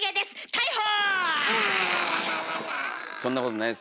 逮捕！